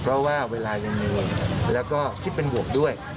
เพราะว่าเวลาเป็นแง่บวกแล้วก็คิดเป็นหวังด้วย